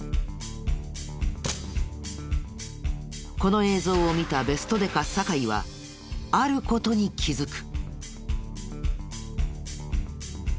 この映像を見たベストデカ酒井はある事に気づく。